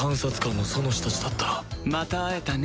また会えたね